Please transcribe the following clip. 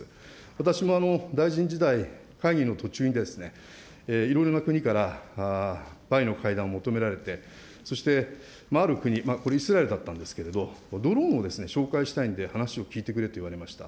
私も大臣時代、会議の途中にいろいろな国からバイの会談を求められて、そしてある国、イスラエルだったんですけれども、ドローンを紹介したいんで、話を聞いてくれと言われました。